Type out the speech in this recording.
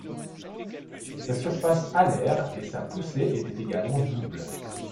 Sa surface alaire et sa poussée étaient également doubles.